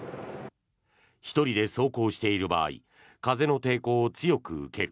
１人で走行している場合風の抵抗を強く受ける。